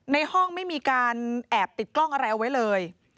ในห้องไม่มีการแอบติดกล้องอะไรเอาไว้เลย